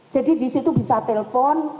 jadi di situ bisa telepon